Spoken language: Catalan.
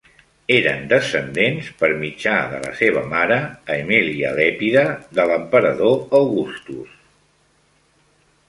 Eren descendents per mitjà de la seva mare, Aemilia Lepida, de l'emperador Augustus.